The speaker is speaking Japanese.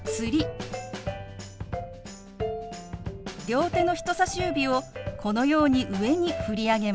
両手の人さし指をこのように上に振り上げます。